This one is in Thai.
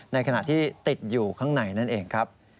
ในขณะที่ติดอยู่ข้างในนั่นเองครับ